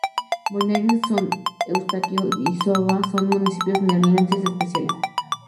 Bonaire, San Eustaquio y Saba son municipios neerlandeses especiales.